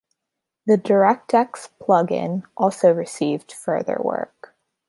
The DirectX plug-in also received further work.